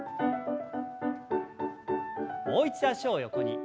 もう一度脚を横に。